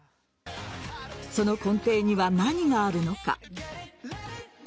その根底には何があるのか。